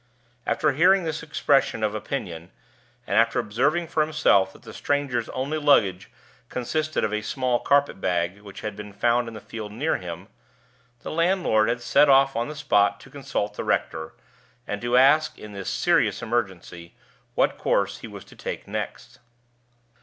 After hearing this expression of opinion, and after observing for himself that the stranger's only luggage consisted of a small carpet bag which had been found in the field near him, the landlord had set off on the spot to consult the rector, and to ask, in this serious emergency, what course he was to take next.